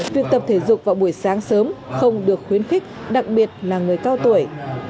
việc tập thể dục vào buổi sáng sớm không được khuyến khích đặc biệt là người cao tuổi